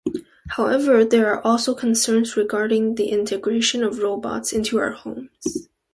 However, there are also concerns regarding the integration of robots into our homes.